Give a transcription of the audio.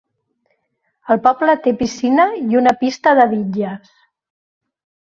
El poble té piscina i una pista de bitlles.